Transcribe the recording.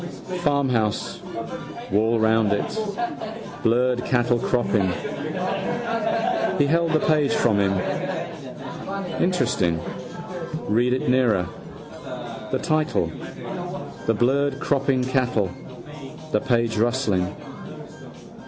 Farmhouse, wall round it, blurred cattle cropping. He held the page from him: interesting: read it nearer, the title, the blurred cropping cattle, the page rustling.